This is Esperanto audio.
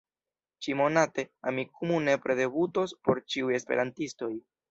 Ĉi-monate, Amikumu nepre debutos por ĉiuj esperantistoj.